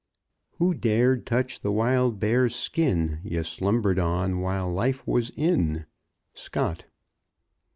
Who dared touch the wild bear's skin Ye slumbered on while life was in? _Scott.